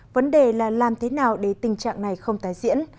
vấn đề là làm thế nào để tình trạng này không tái diễn